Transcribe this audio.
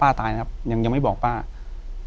อยู่ที่แม่ศรีวิรัยยิลครับ